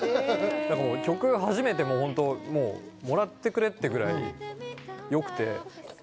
曲、初めてもらってくれってぐらい良くて。